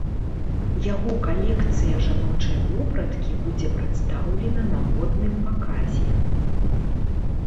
Яго калекцыя жаночай вопраткі будзе прадстаўлена на модным паказе.